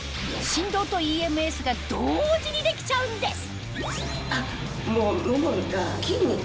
振動とＥＭＳが同時にできちゃうんです